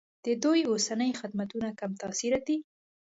د دوی اوسني خدمتونه کم تاثیره دي.